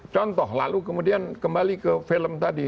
contoh lalu kemudian kembali ke film tadi